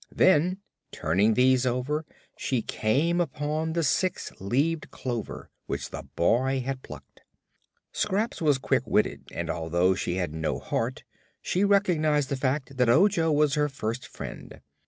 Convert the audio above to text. Then, turning these over, she came upon the six leaved clover which the boy had plucked. Scraps was quick witted, and although she had no heart she recognized the fact that Ojo was her first friend.